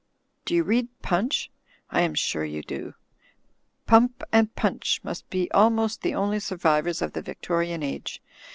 Do you read Punch? I am sure you do. Pump and Punch must be almost the only survivors of the Victorian Age.